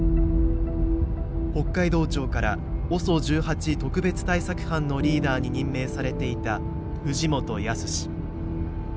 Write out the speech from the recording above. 北海道庁からＯＳＯ１８特別対策班のリーダーに任命されていた藤本靖。